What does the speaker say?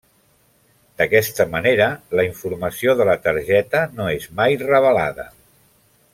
D'aquesta manera la informació de la targeta no és mai revelada.